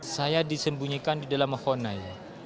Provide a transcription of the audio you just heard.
saya disembunyikan di dalam honai